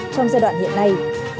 trong giai đoạn hiện nay